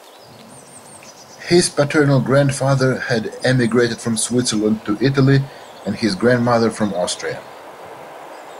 His paternal grandfather had emigrated from Switzerland to Italy and his grandmother from Austria.